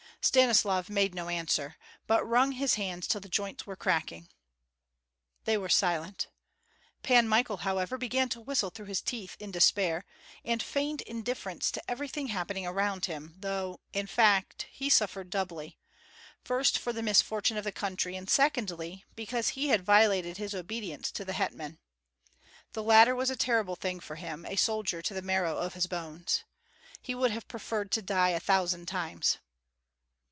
Stanislav made no answer, but wrung his hands till the joints were cracking. They were silent. Pan Michael, however, began to whistle through his teeth, in despair, and feigned indifference to everything happening around him, though, in fact, he suffered doubly, first, for the misfortune of the country, and secondly, because he had violated his obedience to the hetman. The latter was a terrible thing for him, a soldier to the marrow of his bones. He would have preferred to die a thousand times.